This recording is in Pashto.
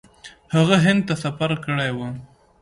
هغه هند ته سفر کړی و.